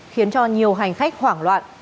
khiến cho nhiều hành khách hoảng loạn